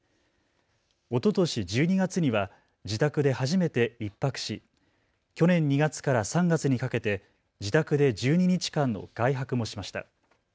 おととし１２月には自宅で初めて１泊し、去年２月から３月にかけて自宅で１２日間の外泊もしました。